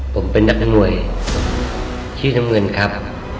ผมเป็นนักจังหน่วยชื่อน้ำเงินครับ